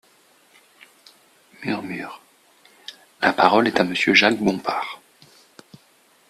(Murmures.) La parole est à Monsieur Jacques Bompard.